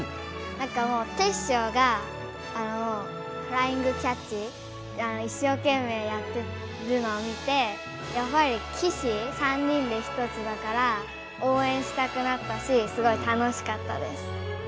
なんかもうテッショウがフライングキャッチ一生けんめいやってるのを見てやっぱり騎士３人でひとつだからおうえんしたくなったしすごい楽しかったです。